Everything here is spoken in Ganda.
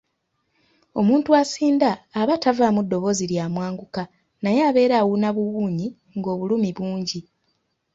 Omuntu asinda aba tavaamu ddoboozi lya mwanguka naye abeera awuuna buwuunyi ng'obulumi bungi.